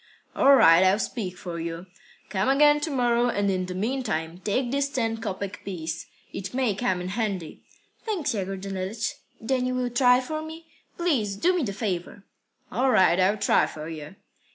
"All right, I'll speak for you. Come again to morrow, and in the meantime take this ten kopek piece. It may come in handy." "Thanks, Yegor Danilych. Then you will try for me? Please do me the favour." "All right. I'll try for you."